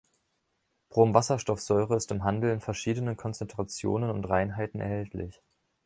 Bromwasserstoffsäure ist im Handel in verschiedenen Konzentrationen und Reinheiten erhältlich.